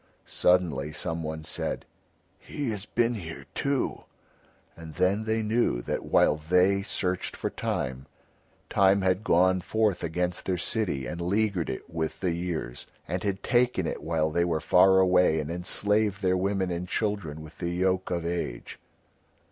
Suddenly someone said: "He has been here too." And then they knew that while they searched for Time, Time had gone forth against their city and leaguered it with the years, and had taken it while they were far away and enslaved their women and children with the yoke of age.